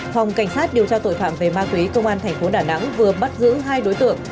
phòng cảnh sát điều tra tội phạm về ma quý công an tp đà nẵng vừa bắt giữ hai đối tượng